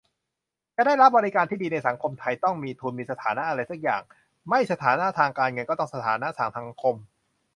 จะได้รับบริการที่ดีในสังคมไทย ต้องมีทุนมีสถานะอะไรซักอย่าง ไม่สถานะทางการเงิน ก็ต้องสถานะทางสังคม